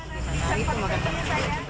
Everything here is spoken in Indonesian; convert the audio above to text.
nah itu makanya